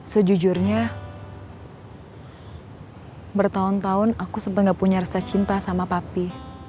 sejujurnya bertahun tahun aku sempat gak punya rasa cinta sama papi